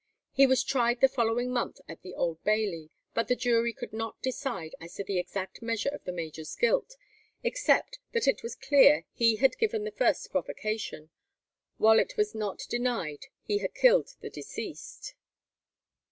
He was tried the following month at the Old Bailey, but the jury could not decide as to the exact measure of the major's guilt, except that it was clear he had given the first provocation, while it was not denied he had killed the deceased.